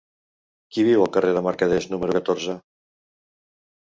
Qui viu al carrer de Mercaders número catorze?